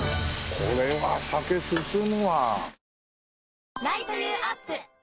これは酒進むわ。